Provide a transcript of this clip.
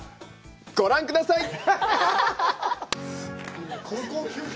ご覧くださいっ！